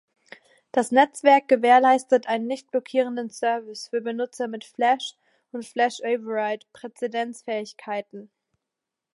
Das Netzwerk gewährleistet einen nicht blockierenden Service für Benutzer mit „Flash“ und „Flash Override“ Präzedenz-Fähigkeiten.